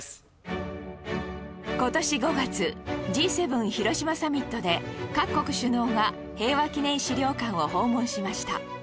今年５月 Ｇ７ 広島サミットで各国首脳が平和記念資料館を訪問しました